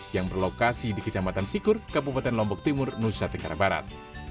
yang berlokasi di kecamatan sikur kabupaten lombok timur nusa tenggara barat